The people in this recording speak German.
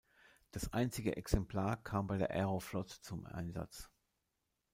Das einzige Exemplar kam bei der Aeroflot zum Einsatz.